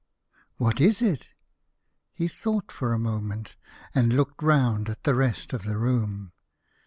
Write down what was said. What is it ? He thought for a moment, and looked round at the rest of the room.